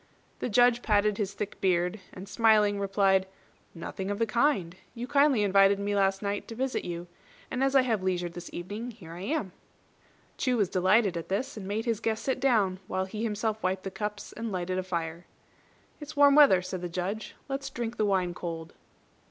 The Judge parted his thick beard, and smiling, replied, "Nothing of the kind. You kindly invited me last night to visit you; and as I have leisure this evening, here I am." Chu was delighted at this, and made his guest sit down, while he himself wiped the cups and lighted a fire. "It's warm weather," said the Judge; "let's drink the wine cold."